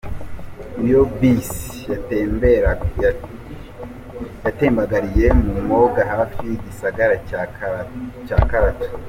Iyo bus yatembagariye mu mwonga hafi y'igisagara ca Karatu.